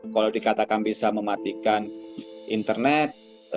kalau dikatakan bisa mematikan internet